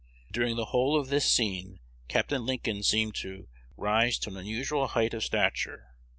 During the whole of this scene Capt. Lincoln seemed to "rise to an unusual height" of stature.